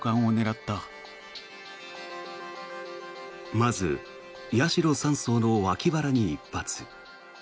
まず、八代３曹の脇腹に１発。